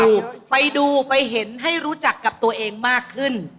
ไปดูไปดูไปเห็นให้รู้จักกับตัวเองมากขึ้น